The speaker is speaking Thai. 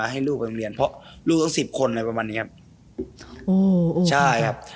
มีครับมีครับ